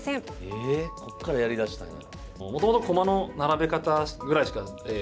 えこっからやりだしたんや。